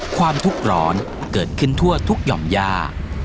ความทุกข์ร้อนเกิดขึ้นทั่วทุกหย่อมย่า